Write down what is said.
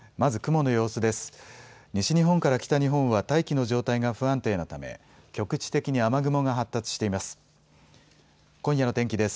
西日本から北日本は大気の状態が不安定なため局地的に雨雲が発達しています。